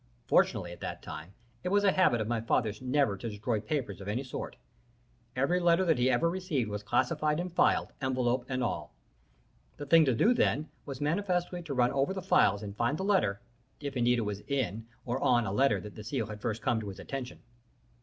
Fortunately, at that time, it was a habit of my father's never to destroy papers of any sort. Every letter that he ever received was classified and filed, envelope and all. The thing to do, then, was manifestly to run over the files and find the letter, if indeed it was in or on a letter that the seal had first come to his attention.